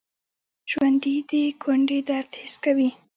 ژوندي د کونډې درد حس کوي